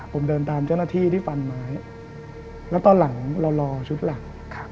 ผมเดินตามเจ้าหน้าที่ที่ฟันไม้แล้วตอนหลังเรารอชุดหลัง